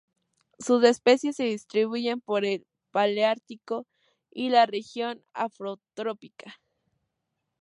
Sus especies se distribuyen por el paleártico y la región afrotropical.